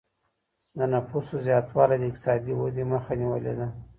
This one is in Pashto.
د نفوسو زياتوالی د اقتصادي ودي مخه نيولې ده.